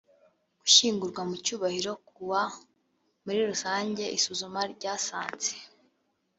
gushyingurwa mu cyubahiro kuwa muri rusange isuzuma ryasanze